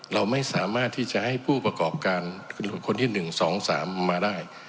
เราไม่สามารถที่จะให้ผู้ประกอบการคนที่๑๒๓มาได้